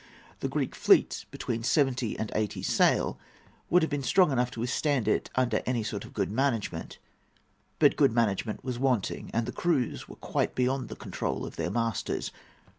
The Greek fleet, between seventy and eighty sail, would have been strong enough to withstand it under any sort of good management; but good management was wanting, and the crews were quite beyond the control of their masters.